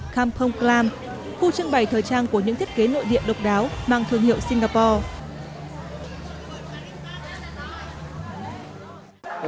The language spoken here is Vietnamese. kampong clam khu trưng bày thời trang của những thiết kế nội địa độc đáo mang thương hiệu singapore